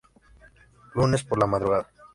Lunes por la madrugada.